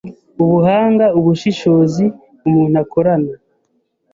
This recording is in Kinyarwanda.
ubuhanga, ubushishozi umuntu akorana;